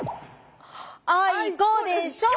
あいこでしょ！